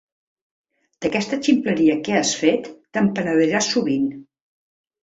D'aquesta ximpleria que has fet, te'n penediràs sovint.